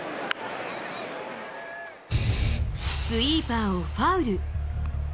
スイーパーをファウル。